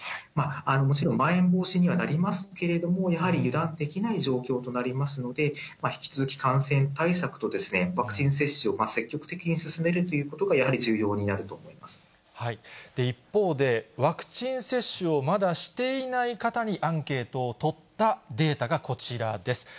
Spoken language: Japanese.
もちろん、まん延防止にはなりますけれども、やはり油断できない状況となりますので、引き続き感染対策と、ワクチン接種を積極的に進めるということが一方で、ワクチン接種をまだしていない方にアンケートを取ったデータがこちらです。